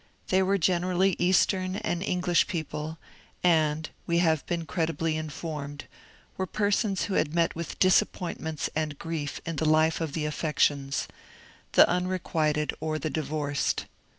They were generaUy Eastern and English people, and, we have been credibly informed, were persons who had met with disappointments and grief in the life of the affections — the unrequited or the divorced.